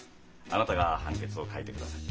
あなたが判決を書いてください。